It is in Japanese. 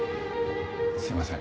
すいません。